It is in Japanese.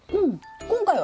今回は？